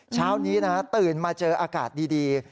เช้านี้นะตื่นมาเจออากาศดี